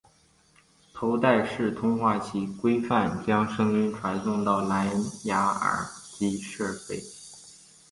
头戴式通话器规范将声音传送到蓝芽耳机设备。